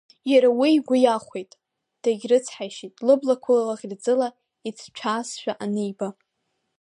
Иара уи игәы иахәеит, дагьрыцҳаишьеит, лыблақәа лаӷырӡыла иҭҭәаазшәа аниба.